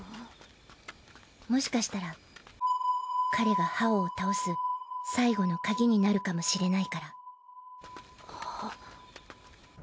もしかしたら彼が葉王を倒す最後のカギになるかもしれないから。